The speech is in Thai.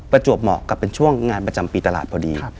จวบเหมาะกับเป็นช่วงงานประจำปีตลาดพอดี